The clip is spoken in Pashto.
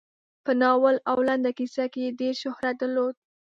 په ناول او لنډه کیسه کې یې ډېر شهرت درلود.